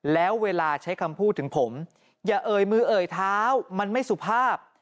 แล้วเวลาใช้คำพูดถึงผมอย่าเอ่ยมือเอ่ยเท้ามันไม่สุภาพ